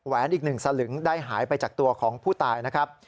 อีก๑สลึงได้หายไปจากตัวของผู้ตายนะครับ